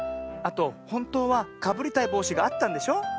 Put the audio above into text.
あとほんとうはかぶりたいぼうしがあったんでしょ？